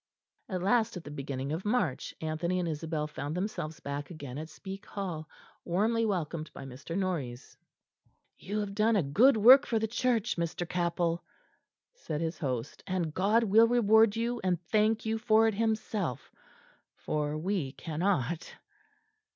At last, at the beginning of March, Anthony and Isabel found themselves back again at Speke Hall, warmly welcomed by Mr. Norreys. "You have done a good work for the Church, Mr. Capell," said his host, "and God will reward you and thank you for it Himself, for we cannot."